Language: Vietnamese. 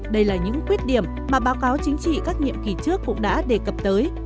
đây là những khuyết điểm mà báo cáo chính trị các nhiệm kỳ trước cũng đã đề cập tới